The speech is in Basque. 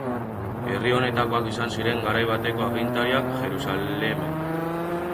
Herri honetakoak izan ziren garai bateko agintariak Jerusalemen.